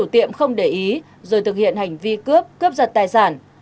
tiệm không để ý rồi thực hiện hành vi cướp cướp giật tài sản